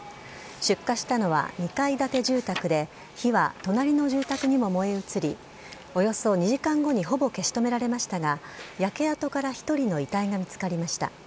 出火したのは２階建て住宅で、火は隣の住宅にも燃え移り、およそ２時間後にほぼ消し止められましたが、焼け跡から１人の遺体が見つかりました。